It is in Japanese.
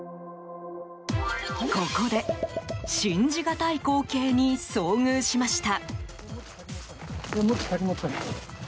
ここで信じがたい光景に遭遇しました。